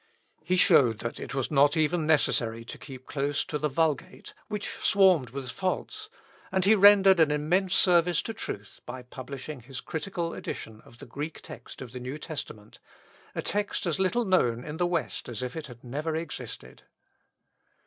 He showed that it was not even necessary to keep close to the Vulgate, which swarmed with faults, and he rendered an immense service to truth, by publishing his critical edition of the Greek text of the New Testament, a text as little known in the West as if it never had existed.